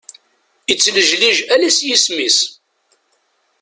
Ittlejlij ala s yisem-is.